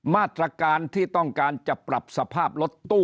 มาตรการที่ต้องการจะปรับสภาพรถตู้